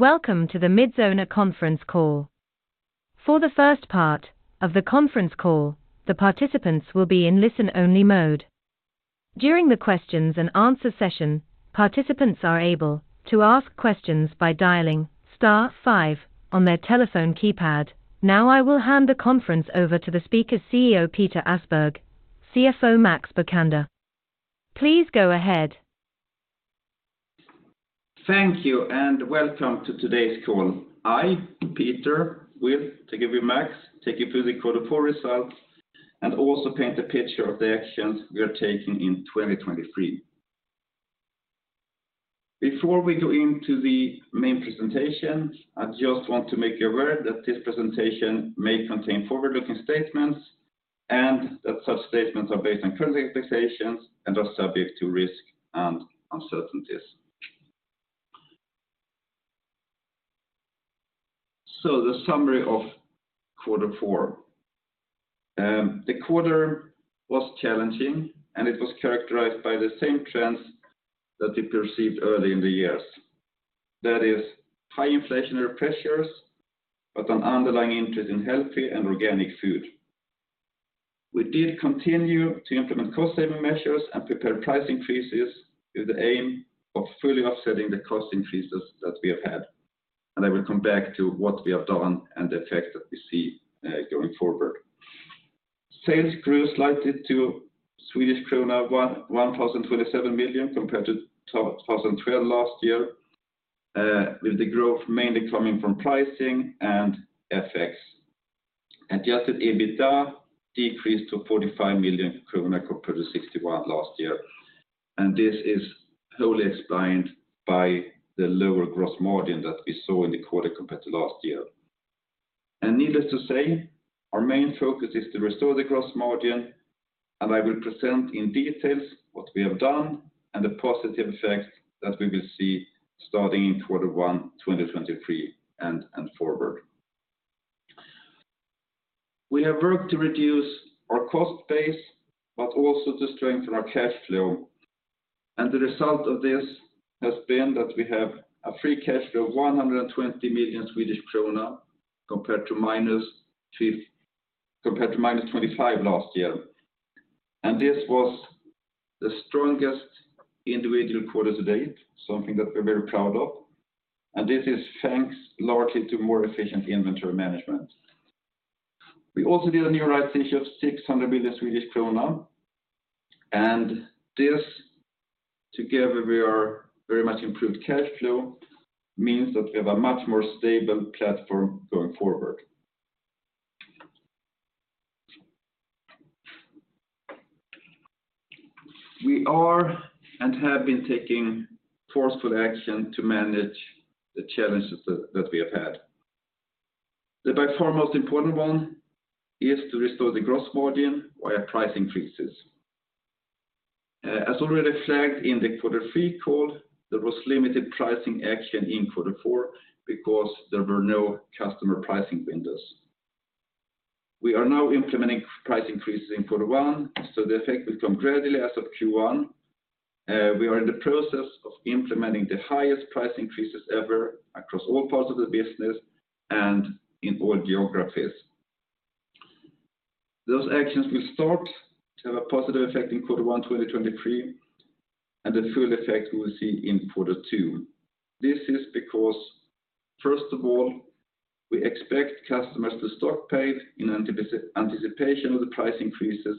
Welcome to the Midsona conference call. For the first part of the conference call, the participants will be in listen-only mode. During the questions and answer session, participants are able to ask questions by dialing star five on their telephone keypad. I will hand the conference over to the speaker CEO Peter Åsberg, CFO Max Bokander. Please go ahead. Thank you, welcome to today's call. I, Peter, with together Max, take you through the quarter four results and also paint a picture of the actions we are taking in 2023. Before we go into the main presentation, I just want to make you aware that this presentation may contain forward-looking statements and that such statements are based on current expectations and are subject to risk and uncertainties. The summary of quarter four. The quarter was challenging, and it was characterized by the same trends that we perceived early in the years. That is high inflationary pressures but an underlying interest in healthy and organic food. We did continue to implement cost-saving measures and prepare price increases with the aim of fully offsetting the cost increases that we have had. I will come back to what we have done and the effect that we see going forward. Sales grew slightly to Swedish krona 1,027 million compared to 2012 last year, with the growth mainly coming from pricing and FX. Adjusted EBITDA decreased to 45 million kronor compared to 61 million last year. This is solely explained by the lower gross margin that we saw in the quarter compared to last year. Needless to say, our main focus is to restore the gross margin. I will present in details what we have done and the positive effects that we will see starting in quarter one 2023 and forward. We have worked to reduce our cost base but also to strengthen our cash flow. The result of this has been that we have a free cash flow of 120 million Swedish krona compared to minus 25 last year. This was the strongest individual quarter to date, something that we're very proud of, and this is thanks largely to more efficient inventory management. We also did a new rights issue of 600 million Swedish krona. This together with our very much improved cash flow means that we have a much more stable platform going forward. We are and have been taking forceful action to manage the challenges that we have had. The by far most important one is to restore the gross margin via price increases. As already flagged in the quarter three call, there was limited pricing action in quarter four because there were no customer pricing windows. We are now implementing price increases in quarter one, the effect will come gradually as of Q1. We are in the process of implementing the highest price increases ever across all parts of the business and in all geographies. Those actions will start to have a positive effect in quarter one 2023, the full effect we will see in quarter two. This is because first of all, we expect customers to stock paid in anticipation of the price increases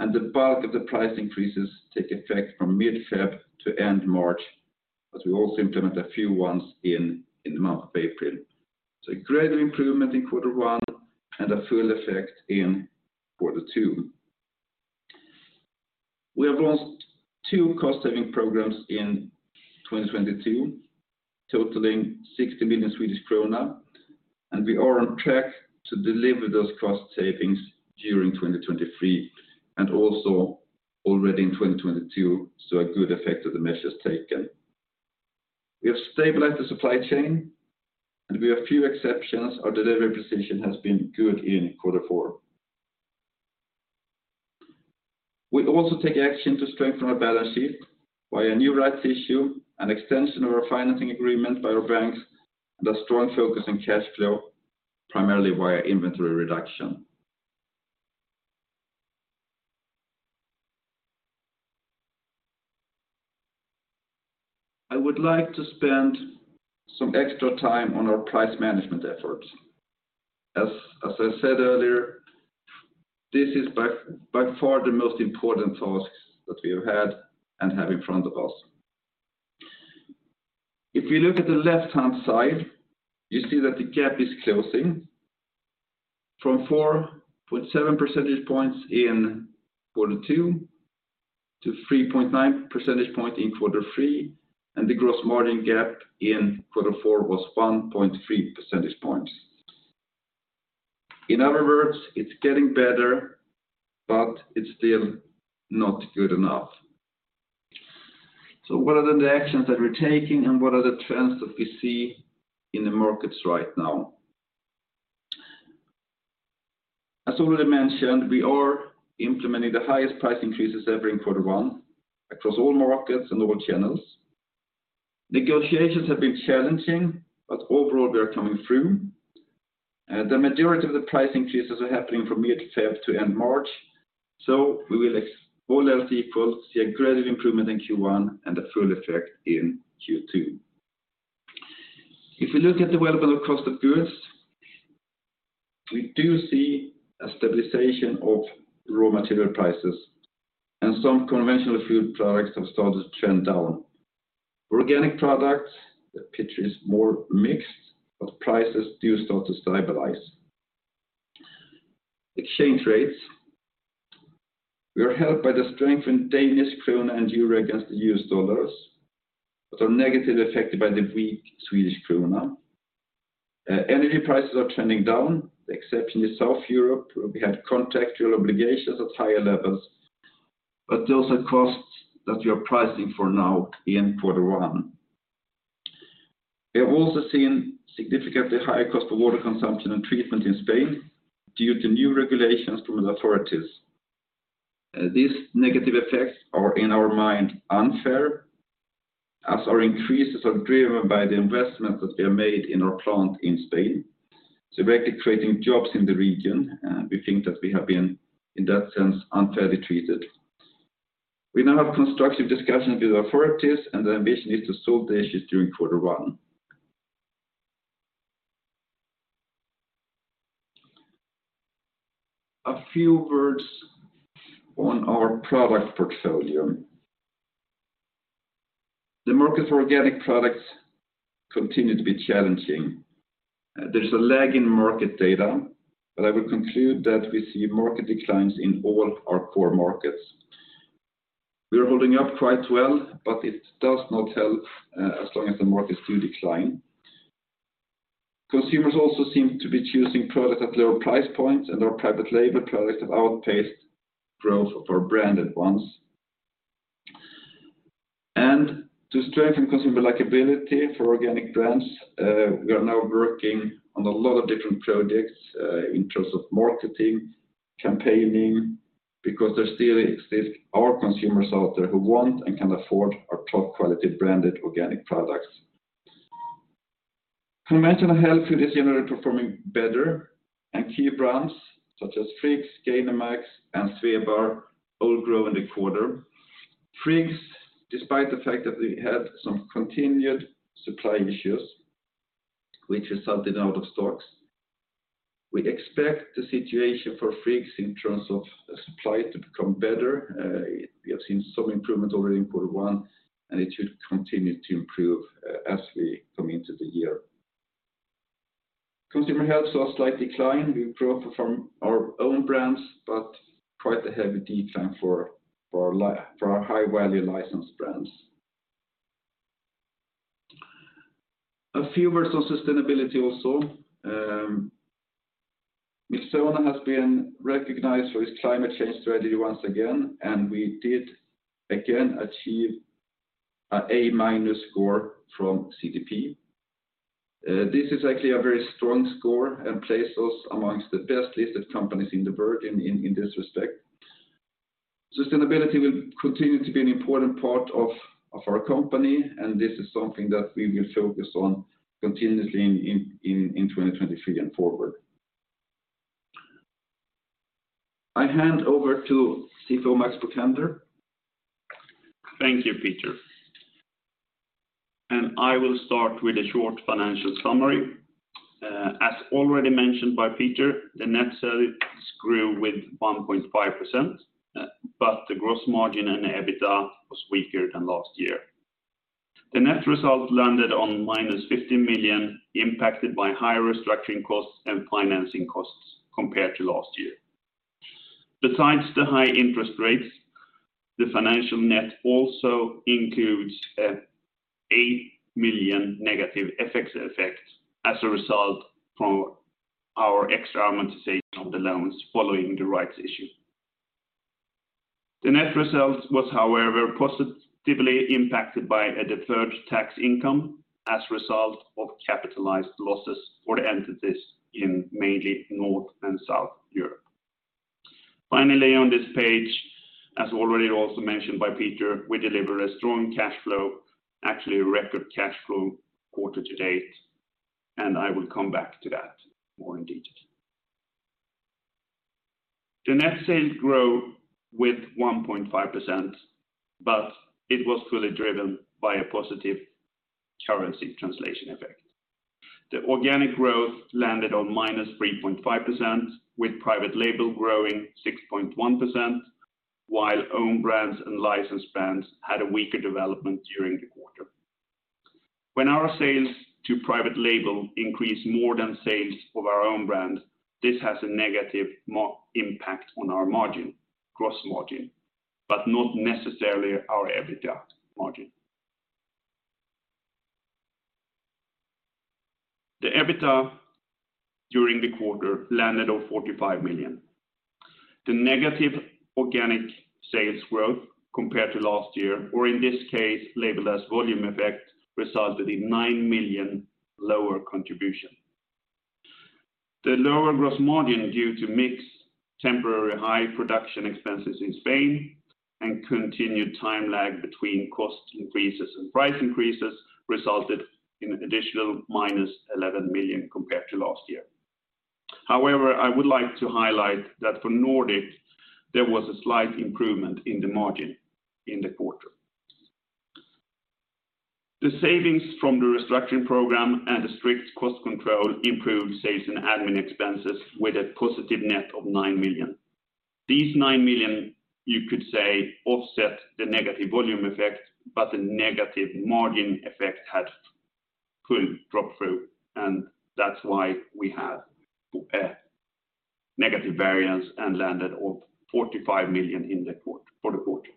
and the bulk of the price increases take effect from mid-February to end March as we also implement a few ones in the month of April. A gradual improvement in quarter one and a full effect in quarter two. We have launched two cost-saving programs in 2022 totaling 60 million Swedish krona. We are on track to deliver those cost savings during 2023 and also already in 2022, a good effect of the measures taken. We have stabilized the supply chain. With a few exceptions, our delivery precision has been good in quarter four. We also take action to strengthen our balance sheet via new rights issue and extension of our financing agreement by our banks and a strong focus on cash flow, primarily via inventory reduction. I would like to spend some extra time on our price management efforts. As I said earlier, this is by far the most important tasks that we have had and have in front of us. If you look at the left-hand side, you see that the gap is closing from 4.7 percentage points in Q2 to 3.9 percentage point in Q3. The gross margin gap in Q4 was 1.3 percentage points. In other words, it's getting better, but it's still not good enough. What are the actions that we're taking, and what are the trends that we see in the markets right now? As already mentioned, we are implementing the highest price increases ever in Q1 across all markets and all channels. Negotiations have been challenging, overall, we are coming through. The majority of the price increases are happening from mid-Feb to end March, so we will all else equal, see a gradual improvement in Q1 and a full effect in Q2. If you look at the development of cost of goods, we do see a stabilization of raw material prices. Some conventional food products have started to trend down. For organic products, the picture is more mixed. Prices do start to stabilize. Exchange rates, we are helped by the strengthened Danish krone and euro against the US dollars, but are negatively affected by the weak Swedish krona. Energy prices are trending down, except in the South Europe, where we had contractual obligations at higher levels. Those are costs that we are pricing for now in quarter one. We have also seen significantly higher cost of water consumption and treatment in Spain due to new regulations from the authorities. These negative effects are, in our mind, unfair, as our increases are driven by the investment that we have made in our plant in Spain. It's directly creating jobs in the region. We think that we have been, in that sense, unfairly treated. We now have constructive discussions with the authorities. The ambition is to solve the issues during quarter one. A few words on our product portfolio. The market for organic products continue to be challenging. There's a lag in market data. I will conclude that we see market declines in all our core markets. We are holding up quite well. It does not help as long as the markets do decline. Consumers also seem to be choosing product at lower price points. Our private label products have outpaced growth of our branded ones. To strengthen consumer likability for organic brands, we are now working on a lot of different projects in terms of marketing, campaigning, because there still exists our consumers out there who want and can afford our top-quality branded organic products. Conventional health food is generally performing better. Key brands such as Friggs, Gainomax, and Svebar all grow in the quarter. Friggs, despite the fact that we had some continued supply issues, which resulted in out of stocks. We expect the situation for Friggs in terms of supply to become better. We have seen some improvement already in quarter 1, it should continue to improve as we come into the year. Consumer health saw a slight decline. We grew from our own brands, quite a heavy decline for our high-value licensed brands. A few words on sustainability also. Midsona has been recognized for its climate change strategy once again, and we did again achieve a A- score from CDP. This is actually a very strong score and places amongst the best-listed companies in the world in this respect. Sustainability will continue to be an important part of our company, and this is something that we will focus on continuously in 2023 and forward. I hand over to CFO Max Bokander. Thank you, Peter. I will start with a short financial summary. As already mentioned by Peter, the net sales grew with 1.5%, but the gross margin and the EBITDA was weaker than last year. The net result landed on minus 50 million, impacted by higher restructuring costs and financing costs compared to last year. Besides the high interest rates, the financial net also includes an 8 million negative FX effect as a result of our extra amortization of the loans following the rights issue. The net result was, however, positively impacted by a deferred tax income as a result of capitalized losses for entities in mainly North and South Europe. Finally, on this page, as already also mentioned by Peter, we deliver a strong cash flow, actually a record cash flow quarter to date, and I will come back to that more in detail. The net sales grow with 1.5%, it was fully driven by a positive currency translation effect. The organic growth landed on -3.5%, with private label growing 6.1%, while own brands and licensed brands had a weaker development during the quarter. When our sales to private label increase more than sales of our own brand, this has a negative impact on our margin, gross margin, not necessarily our EBITDA margin. The EBITDA during the quarter landed on 45 million. The negative organic sales growth compared to last year or in this case labeled as volume effect resulted in 9 million lower contribution. The lower gross margin due to mix temporary high production expenses in Spain and continued time lag between cost increases and price increases resulted in an additional -11 million compared to last year. I would like to highlight that for Nordic, there was a slight improvement in the margin in the quarter. The savings from the restructuring program and the strict cost control improved sales and admin expenses with a positive net of 9 million. These 9 million, you could say, offset the negative volume effect, but the negative margin effect had full drop through, and that's why we have a negative variance and landed on 45 million for the quarter.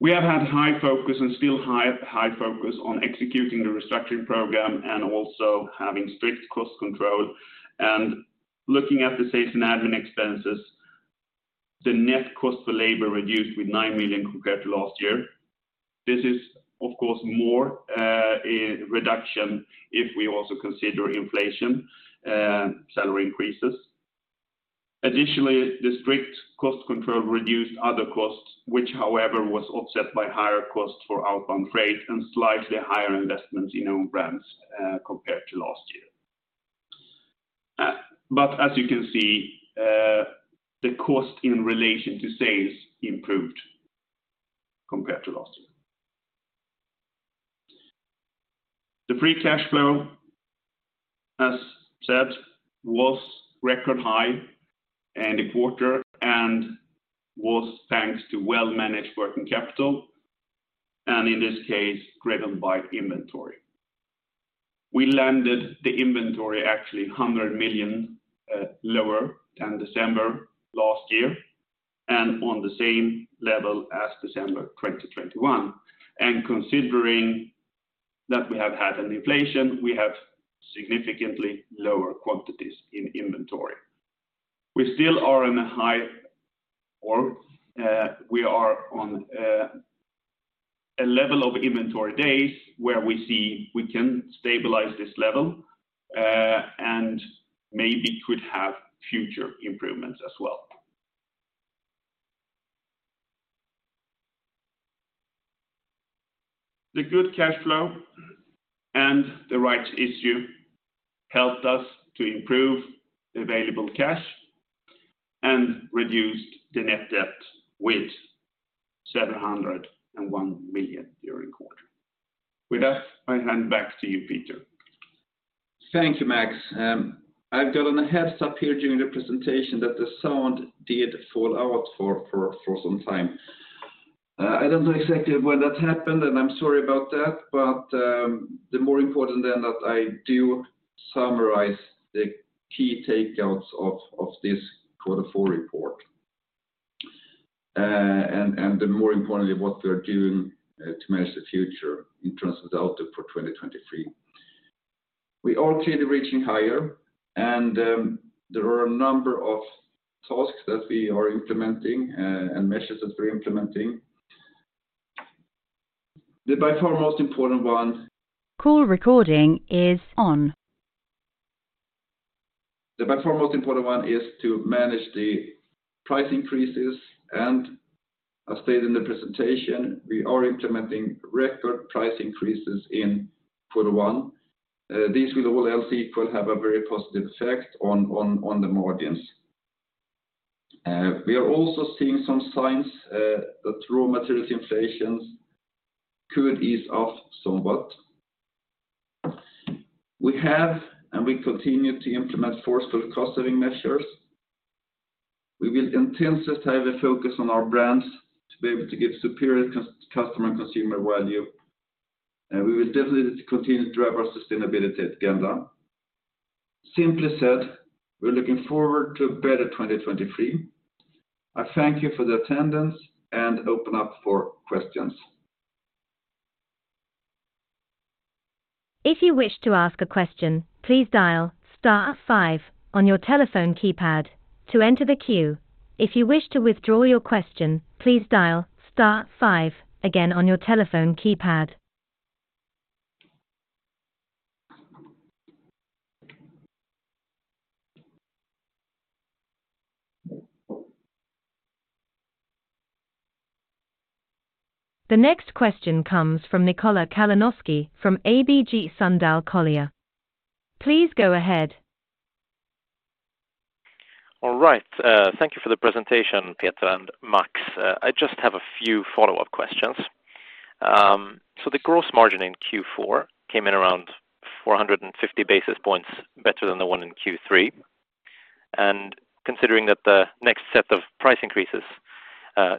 We have had high focus and still high focus on executing the restructuring program and also having strict cost control and looking at the sales and admin expenses, the net cost for labor reduced with 9 million compared to last year. This is of course more a reduction if we also consider inflation, salary increases. Additionally, the strict cost control reduced other costs, which however was offset by higher costs for outbound freight and slightly higher investments in own brands compared to last year. As you can see, the cost in relation to sales improved compared to last year. The free cash flow, as said, was record high in the quarter and was thanks to well-managed working capital and in this case, driven by inventory. We landed the inventory actually 100 million lower than December last year and on the same level as December 2021. Considering that we have had an inflation, we have significantly lower quantities in inventory. We still are in a high or, we are on a level of inventory days where we see we can stabilize this level and maybe could have future improvements as well. The good cash flow and the rights issue helped us to improve available cash and reduced the net debt with 701 million during the quarter. With that, I hand back to you, Peter. Thank you, Max. I've got a heads up here during the presentation that the sound did fall out for some time. I don't know exactly when that happened, and I'm sorry about that, but the more important then that I do summarize the key takeouts of this quarter four report. Then more importantly, what we are doing to manage the future in terms of the outlook for 2023. We are clearly reaching higher and there are a number of tasks that we are implementing and measures that we're implementing. The by far most important one. Call recording is on. The by far most important one is to manage the price increases, and as stated in the presentation, we are implementing record price increases in quarter one. These with all else equal have a very positive effect on the margins. We are also seeing some signs that raw materials inflations could ease off somewhat. We have, and we continue to implement forceful cost saving measures. We will intensively focus on our brands to be able to give superior customer and consumer value, and we will definitely continue to drive our sustainability agenda. Simply said, we're looking forward to a better 2023. I thank you for the attendance and open up for questions. If you wish to ask a question, please dial star five on your telephone keypad to enter the queue. If you wish to withdraw your question, please dial star five again on your telephone keypad. The next question comes from Nikola Kalanoski from ABG Sundal Collier. Please go ahead. All right. Thank you for the presentation, Peter and Max. I just have a few follow-up questions. The gross margin in Q4 came in around 450 basis points better than the one in Q3. Considering that the next set of price increases,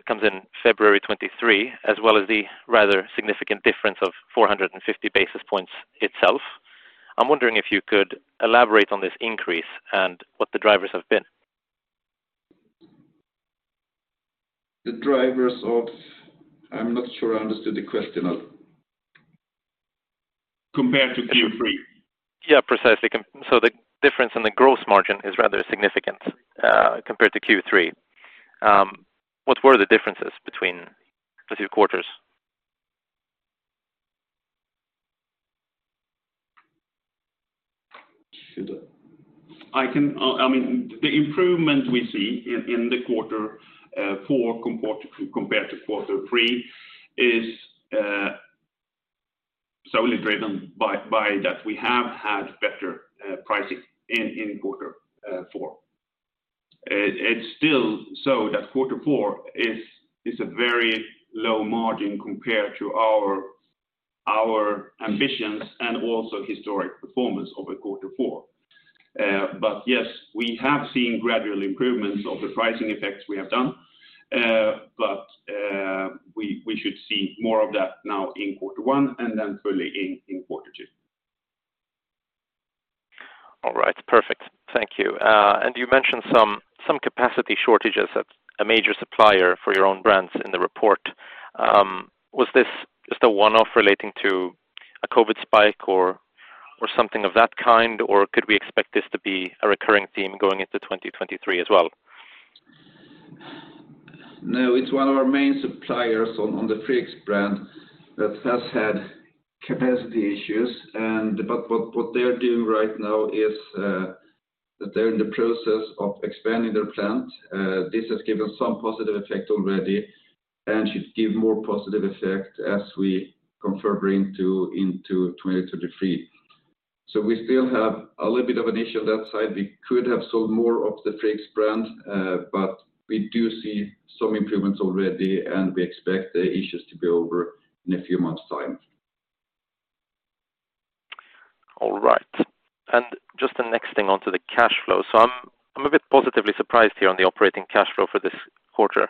comes in February 2023, as well as the rather significant difference of 450 basis points itself, I'm wondering if you could elaborate on this increase and what the drivers have been. I'm not sure I understood the question of compared to Q3. Yeah, precisely. The difference in the gross margin is rather significant, compared to Q3. What were the differences between the two quarters? I mean, the improvement we see in the quarter four compared to quarter three is solely driven by that we have had better pricing in quarter four. It's still so that quarter four is a very low margin compared to our ambitions and also historic performance over quarter four. Yes, we have seen gradual improvements of the pricing effects we have done. We should see more of that now in quarter one and then fully in quarter two. All right. Perfect. Thank you. You mentioned some capacity shortages at a major supplier for your own brands in the report. Was this just a one-off relating to a COVID spike or something of that kind, or could we expect this to be a recurring theme going into 2023 as well? No, it's one of our main suppliers on the Friggs brand that has had capacity issues. But what they are doing right now is that they're in the process of expanding their plant. This has given some positive effect already and should give more positive effect as we confirm bring into 2023. We still have a little bit of an issue on that side. We could have sold more of the Friggs brand, but we do see some improvements already, and we expect the issues to be over in a few months' time. Just the next thing onto the cash flow. I'm a bit positively surprised here on the operating cash flow for this quarter.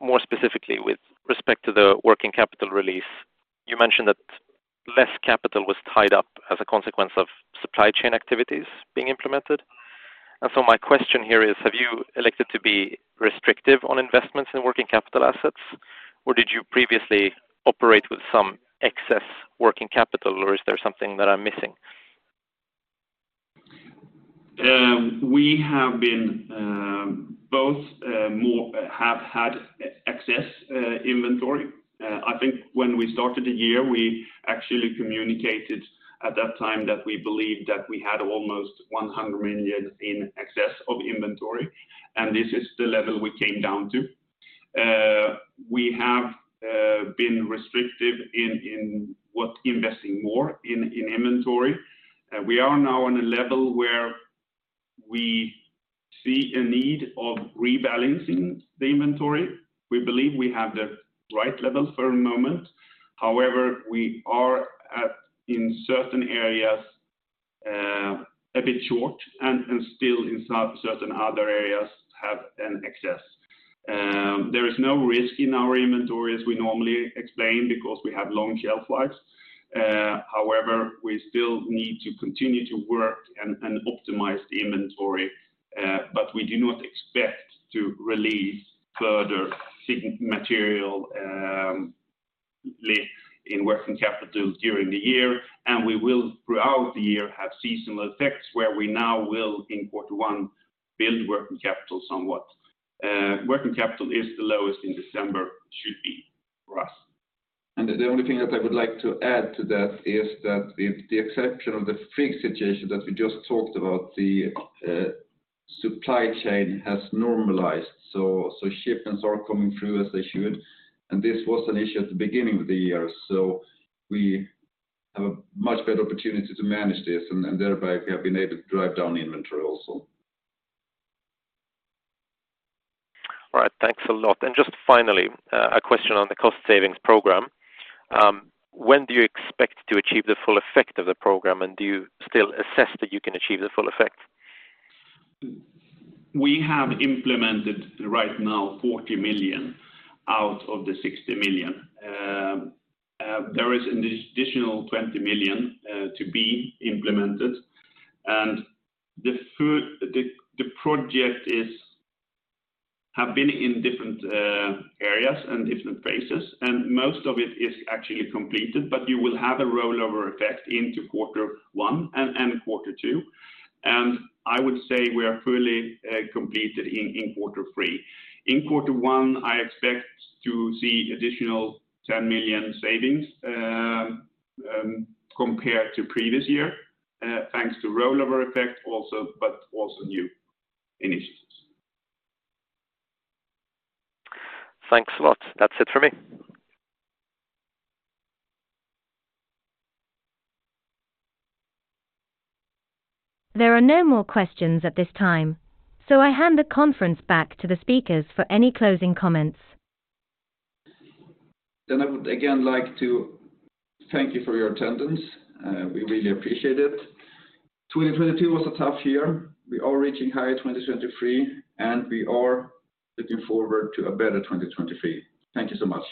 More specifically, with respect to the working capital release, you mentioned that less capital was tied up as a consequence of supply chain activities being implemented. My question here is, have you elected to be restrictive on investments in working capital assets, or did you previously operate with some excess working capital, or is there something that I'm missing? We have been both have had excess inventory. I think when we started the year, we actually communicated at that time that we believed that we had almost 100 million in excess of inventory. This is the level we came down to. We have been restrictive in investing more in inventory. We are now on a level where we see a need of rebalancing the inventory. We believe we have the right level for a moment. We are in certain areas a bit short and still in certain other areas have an excess. There is no risk in our inventory as we normally explain because we have long shelf lives. We still need to continue to work and optimize the inventory. We do not expect to release further material lift in working capital during the year. We will, throughout the year, have seasonal effects where we now will in quarter one build working capital somewhat. Working capital is the lowest in December it should be for us. The only thing that I would like to add to that is that the exception of the Friggs situation that we just talked about, the supply chain has normalized. Shipments are coming through as they should. This was an issue at the beginning of the year. We have a much better opportunity to manage this and thereby we have been able to drive down the inventory also. All right. Thanks a lot. Just finally, a question on the cost savings program. When do you expect to achieve the full effect of the program, and do you still assess that you can achieve the full effect? We have implemented right now 40 million out of the 60 million. there is an additional 20 million to be implemented. the project have been in different areas and different phases, and most of it is actually completed, but you will have a rollover effect into quarter one and quarter two. I would say we are fully completed in quarter three. In quarter one, I expect to see additional 10 million savings compared to previous year thanks to rollover effect also, but also new initiatives. Thanks a lot. That's it for me. There are no more questions at this time, so I hand the conference back to the speakers for any closing comments. I would again like to thank you for your attendance. We really appreciate it. 2022 was a tough year. We are reaching higher 2023, and we are looking forward to a better 2023. Thank you so much.